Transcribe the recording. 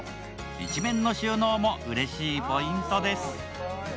一面の収納もうれしいポイントです。